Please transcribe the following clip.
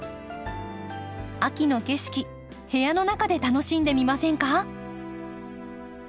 秋の景色部屋の中で楽しんでみませんか？